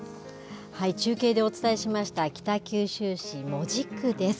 中継でお伝えしました北九州市門司区です。